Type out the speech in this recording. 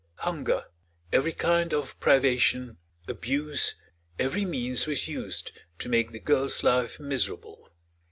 Hunger, every kind of privation, abuse, every means was used to make the girl's life miserable.